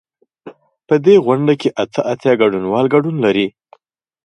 په دې غونډه کې اته اتیا ګډونوال ګډون لري.